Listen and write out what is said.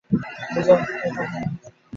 আমি যে অল্প কয়েক পাতা লিখেছি আপনি কি পড়তে চান?